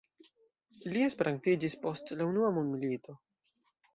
Li esperantistiĝis post la unua mondmilito.